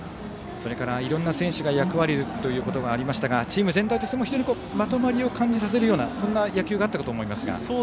いろんな選手が役割ということがありましたがチーム全体としても非常にまとまりを感じさせるようなそんな野球があったかと思いますが。